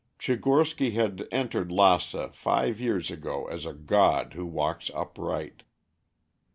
Tchigorsky had entered Lassa five years ago as a god who walks upright.